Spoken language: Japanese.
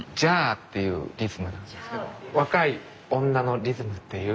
若い女のリズムっていう。